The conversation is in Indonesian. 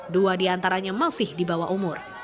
dua diantaranya masih dibawa umur